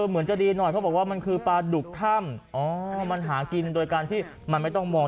เหมือนจะดีหน่อยเขาบอกว่ามันคือปลาดุกถ้ำอ๋อมันหากินโดยการที่มันไม่ต้องมอง